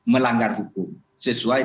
melanggar hukum sesuai